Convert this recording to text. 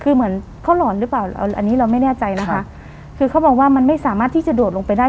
คือเหมือนเขาหลอนหรือเปล่าอันนี้เราไม่แน่ใจนะคะคือเขาบอกว่ามันไม่สามารถที่จะโดดลงไปได้